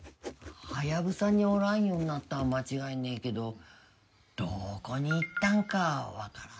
ハヤブサにおらんようになったんは間違いねえけどどこに行ったんかはわからんなあ。